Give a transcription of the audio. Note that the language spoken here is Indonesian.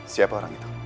siapa orang itu